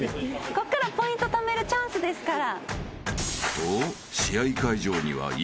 こっからポイントためるチャンスですから。